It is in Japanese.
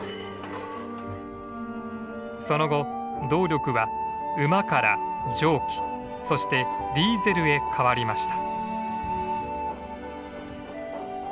その後動力は馬から蒸気そしてディーゼルへ変わりました。